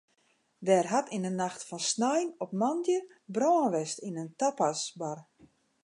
Der hat yn de nacht fan snein op moandei brân west yn in tapasbar.